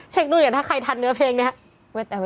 เช็ครุ่นอีกแล้วถ้าใครทันเนื้อเพลงเนี่ย